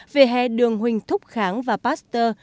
về hè đường huỳnh thúc kháng và pasteur